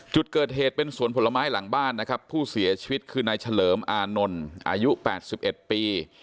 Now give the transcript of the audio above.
จุดเกิดเหตุเป็นสวนผลไม้หลังบ้านนะครับผู้เสียชีวิตคือนายเฉลิมอานนท์อายุ๘๑ปี